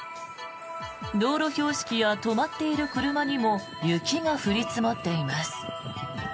道路標識や止まっている車にも雪が降り積もっています。